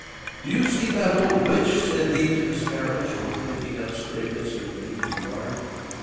"Do you see that old witch?" said he to the sparrows, who were picking up stray bits of grain in the yard.